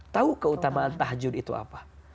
tahu keutamaan tahajud itu apa